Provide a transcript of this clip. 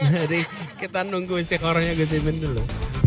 jadi kita nunggu istiqorohnya gusimin dulu